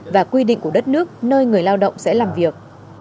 và quy định của đất nước nơi người lao động sẽ làm việc